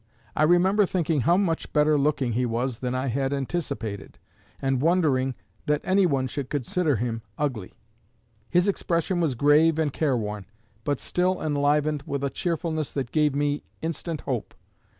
I remember thinking how much better looking he was than I had anticipated, and wondering that anyone should consider him ugly. His expression was grave and care worn, but still enlivened with a cheerfulness that gave me instant hope.